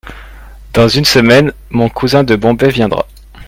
Dans une semaine mon cousin de Bombay viendra.